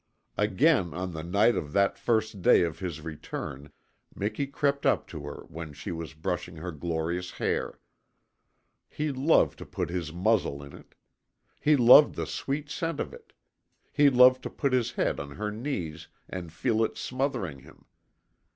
Again on the night of that first day of his return Miki crept up to her when she was brushing her glorious hair. He loved to put his muzzle in it; he loved the sweet scent of it; he loved to put his head on her knees and feel it smothering him.